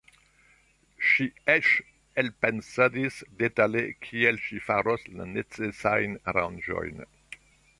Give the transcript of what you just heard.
Ŝi eĉ elpensadis detale kiel ŝi faros la necesajn aranĝojn.